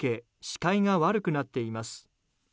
視界が悪くなっています。